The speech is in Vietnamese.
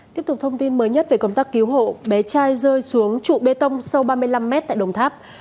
tiếp tục thông tin mới nhất về công tác cứu hộ bé trai rơi xuống trụ bê tông sâu ba mươi năm mét tại đồng tháp